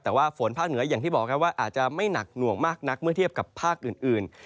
แต่ว่าฝนภาคเหนืออย่างที่บอกครับว่าอาจจะไม่หนักหน่วงมากนักเมื่อเทียบกับภาคอื่น